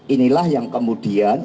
inilah yang kemudian